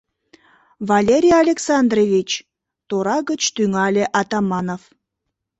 — Валерий Александрович, — тора гыч тӱҥале Атаманов.